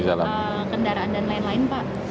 kendaraan dan lain lain pak